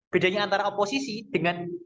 bedanya antara oposisi dengan